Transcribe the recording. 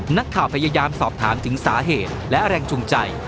นักข่าวพยายามสอบถามถึงสาเหตุและแรงจูงใจ